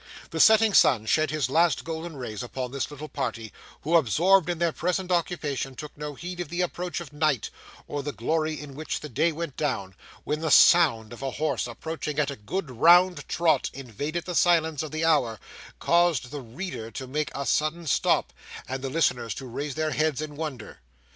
The setting sun shed his last golden rays upon this little party, who, absorbed in their present occupation, took no heed of the approach of night, or the glory in which the day went down, when the sound of a horse, approaching at a good round trot, invading the silence of the hour, caused the reader to make a sudden stop, and the listeners to raise their heads in wonder.